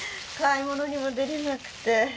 買い物にも出られなくて。